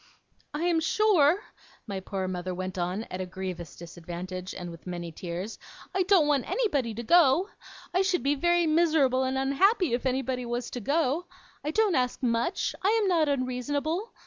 'I am sure,' my poor mother went on, at a grievous disadvantage, and with many tears, 'I don't want anybody to go. I should be very miserable and unhappy if anybody was to go. I don't ask much. I am not unreasonable.